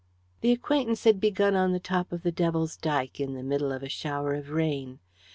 The acquaintance had begun on the top of the Devil's Dyke in the middle of a shower of rain.